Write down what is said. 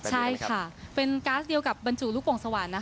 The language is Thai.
ใช่ค่ะเป็นก๊าซเดียวกับบรรจุลูกโป่งสวรรค์นะคะ